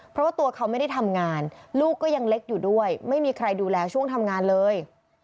เพราะว่าตัวเขาไม่ได้ทำงานลูกก็ยังเล็กอยู่ด้วยไม่มีใครดูแลช่วงทำงานเลย